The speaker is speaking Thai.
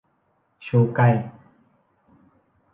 ชูไก